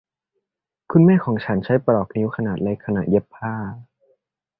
คุณแม่ของฉันใช้ปลอกนิ้วขนาดเล็กขณะเย็บผ้า